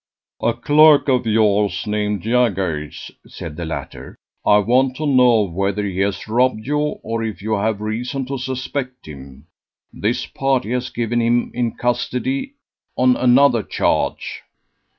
"A clerk of yours, named Jaggers," said the latter. "I want to know whether he has robbed you, or if you have reason to suspect him. This party has given him in custody on another charge."